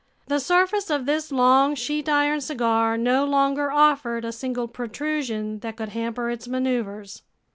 The surface of this long sheet iron cigar no longer offered a single protrusion that could hamper its maneuvers.